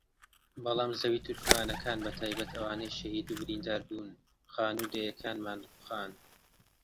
بەڵام زەوی تورکمانەکان بەتایبەت ئەوانەی شەهید و بریندار بوون خانوو و دێیەکانمان رووخان